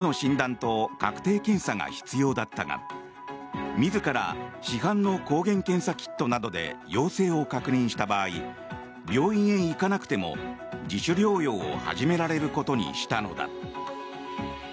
これまで陽性の判断は医師の診断と確定検査が必要だったが自ら市販の抗原検査キットなどで陽性を確認した場合病院へ行かなくても自主療養を始められることにしたのだ。